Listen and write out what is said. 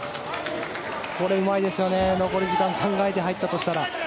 これ、うまいですよね残り時間を考えて入ったとしたら。